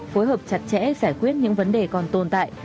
phối hợp chặt chẽ giải quyết những vấn đề còn tồn tại